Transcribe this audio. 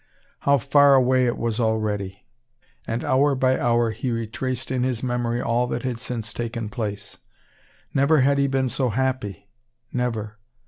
How far away it was already! And, hour by hour, he retraced in his memory all that had since taken place. Never had he been so happy, never!